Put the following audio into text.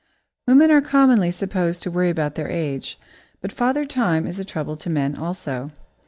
Women are commonly supposed to worry about their age, but Father Time is a trouble to men also.